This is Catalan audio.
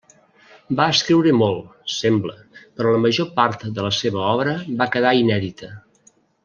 Va escriure molt, sembla, però la major part de la seva obra va quedar inèdita.